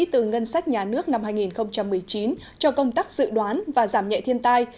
từ ngân sách nhà nước năm hai nghìn một mươi chín cho công tác dự đoán và giảm nhẹ thiên tai